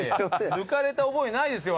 抜かれた覚えないですよ